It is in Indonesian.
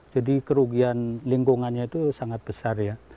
jadi kerugian lingkungannya itu sangat besar ya